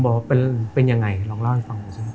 ผมบอกว่าเป็นยังไงลองเล่าให้ฟัง